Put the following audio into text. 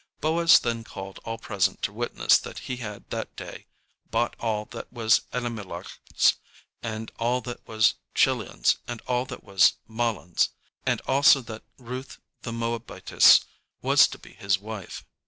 Boaz then called all present to witness that he had that day bought all that was Elimelech's and all that was Chilion's and all that was Mahlon's, and also that Ruth the Moabitess was to be his wife.